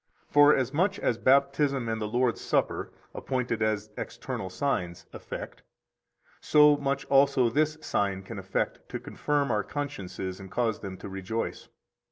98 For as much as Baptism and the Lord's Supper, appointed as external signs, effect, so much also this sign can effect to confirm our consciences and cause them to rejoice.